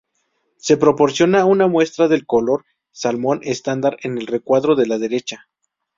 Se proporciona una muestra del color salmón estándar en el recuadro de la derecha.